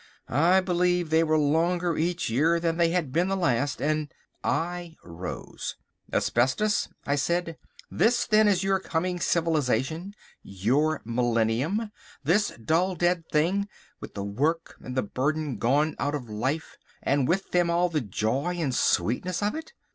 I believe they were longer each year than they had been the last, and—" I rose. "Asbestos!" I said, "this, then, is your coming Civilisation, your millennium. This dull, dead thing, with the work and the burden gone out of life, and with them all the joy and sweetness of it.